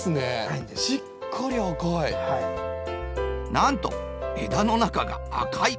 なんと枝の中が赤い。